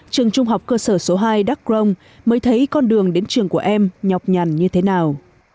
trường trung học cơ sở số hai đắk rông mới thấy con đường đến trường của em nhọc nhằn như thế nào